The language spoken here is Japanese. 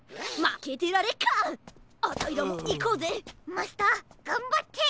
マスターがんばって！